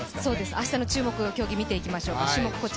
明日の注目競技を見ていきましょうか。